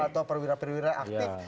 atau perwira perwira aktif